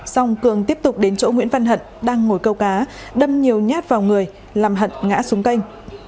xong cường tiếp tục đến chỗ nguyễn văn hận đang ngồi câu cá đâm nhiều nhát vào người làm hận ngã xuống canh